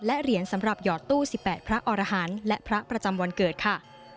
และเหรียญสำหรับหยอดตู้๑๘พระอรหันต์และพระประจำวันเกิดค่ะ